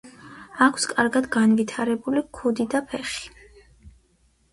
აქვს კარგად განვითარებული ქუდი და ფეხი.